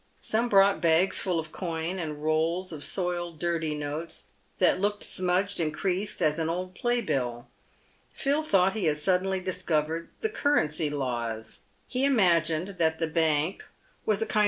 Some brought bags full of coin, and rolls of soiled, dirty notes, that looked smudged and creased as an old playbill. Phil thought he had suddenly dis covered the currency laws. He imagined that the bank was a kind 210 PAYED WITH GOLD.